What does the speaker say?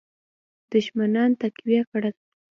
دښمنان تقویه کړل.